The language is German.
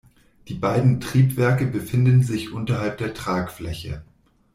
Die beiden Triebwerke befinden sich unterhalb der Tragfläche.